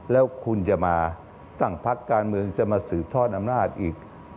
แล้วคุณจะมาตั้งพักการเมืองจะมาสืบทอดอำนาจอีก